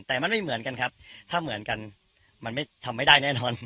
แต่มันไม่เหมือนกันครับถ้าเหมือนกันมันไม่ทำไม่ได้แน่นอน